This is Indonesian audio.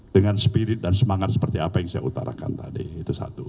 dengan spirit dan semangat seperti apa yang saya utarakan tadi itu satu